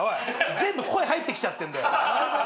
全部声入ってきちゃってんだよ。